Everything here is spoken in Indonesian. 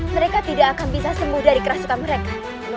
mereka tidak akan bisa sembuh dari kerasukan mereka